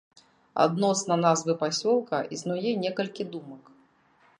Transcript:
Адносна назвы пасёлка існуе некалькі думак.